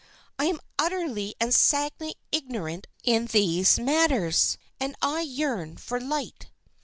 I am utterly and sadly ignorant in these matters and I yearn for light.